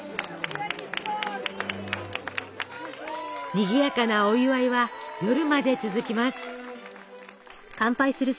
にぎやかなお祝いは夜まで続きます。